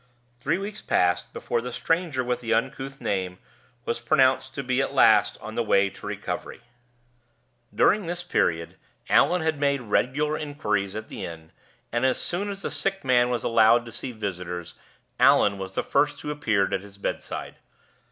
Three weeks passed before the stranger with the uncouth name was pronounced to be at last on the way to recovery. During this period Allan had made regular inquiries at the inn, and, as soon as the sick man was allowed to see visitors, Allan was the first who appeared at his bedside.